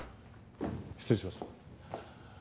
失礼します。